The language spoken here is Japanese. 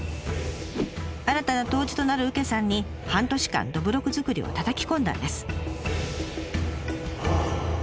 新たな杜氏となるうけさんに半年間どぶろく造りをたたき込んだんです。